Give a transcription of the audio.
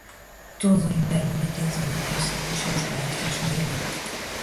Todo o inverno metido na casa cos seus pais e a súa irmá.